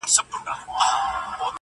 یوه ورځ پاچا وو غلی ورغلی!!